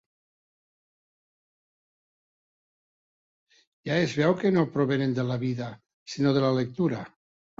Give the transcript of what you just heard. Ja es veu que no provenen de la vida, sinó de la lectura.